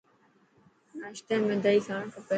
ناشتي ۾ دئي کائڻ کپي.